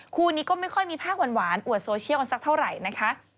คู่นี้ก็ไม่ค่อยมีภาพหวานอวดโซเชียลกันสักเท่าไหร่นะคะ